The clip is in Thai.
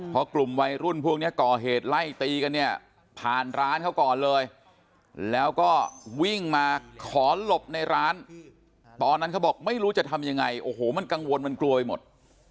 พอกลุ่มวัยรุ่นพวกนี้ก่อเหตุไล่ตีกันเนี่ยผ่านร้านเขาก่อนเลยแล้วก็วิ่งมาขอหลบในร้านตอนนั้นเขาบอกไม่รู้จะทำยังไงโอ้โหมันกังวลมันกลัวไปหมด